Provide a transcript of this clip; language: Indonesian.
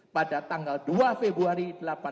pada tanggal dua februari delapan belas